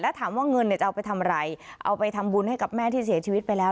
แล้วถามว่าเงินเนี่ยจะเอาไปทำอะไรเอาไปทำบุญให้กับแม่ที่เสียชีวิตไปแล้ว